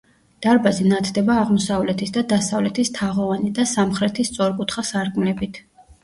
დარბაზი ნათდება აღმოსავლეთის და დასავლეთის თაღოვანი და სამხრეთის სწორკუთხა სარკმლებით.